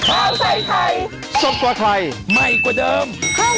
เอาอีกเพลงดีกว่า